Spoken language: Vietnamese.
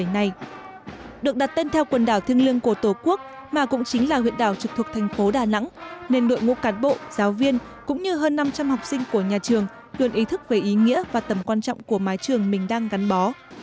hai nghìn một mươi bảy này được đặt tên theo quần đảo thiêng liêng của tổ quốc mà cũng chính là huyện đảo trực thuộc thành phố đà nẵng nên đội ngũ cát bộ giáo viên cũng như hơn năm trăm linh học sinh của nhà trường luôn ý thức về ý nghĩa và tầm quan trọng của mái trường mình đang gắn bó